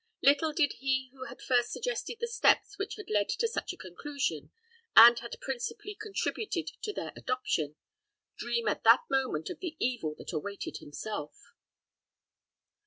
Little did he who had first suggested the steps which had led to such a conclusion, and had principally contributed to their adoption, dream at that moment of the evil that awaited himself.